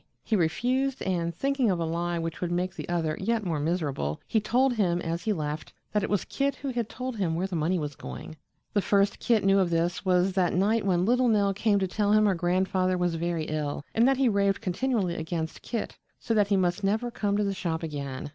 He refused, and thinking of a lie which would make the other yet more miserable, he told him as he left that it was Kit who had told him where the money was going. The first Kit knew of this was that night when little Nell came to tell him her grandfather was very ill, and that he raved continually against Kit so that he must never come to the shop again.